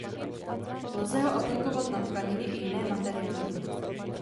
Lze ho aplikovat na tkaniny i jiné materiály.